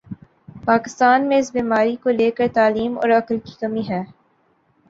پاکستان میں اس بیماری کو لے کر تعلیم اور عقل کی کمی ہے